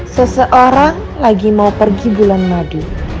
seseorang lagi mau pergi bulan madu